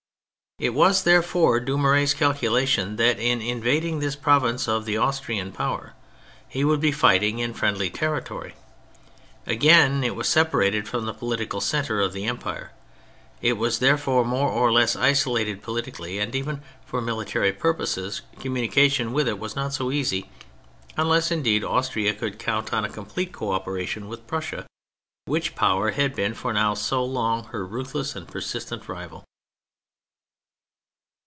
It was, therefore, Dumouriez' calculation that, in invading this province of the Austrian power, he would be fighting in friendly territory. Again, it was separated from the political centre of the empire; it was, therefore, more or less isolated politically, and even for military purposes communication with it was not so easy, unless, indeed, Austria could count on a complete co operation with Prussia, which Power had been for now so long her ruthless and persistent rival.